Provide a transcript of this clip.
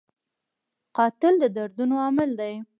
قاتل د دردونو عامل دی